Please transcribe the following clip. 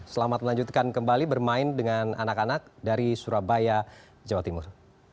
selamat melanjutkan kembali bermain dengan anak anak dari surabaya jawa timur